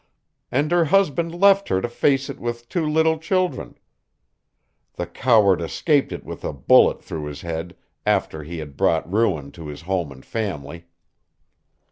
And her husband left her to face it with two little children. The coward escaped it with a bullet through his head, after he had brought ruin on his home and family."